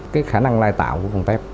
cái khả năng lai tạo của con tép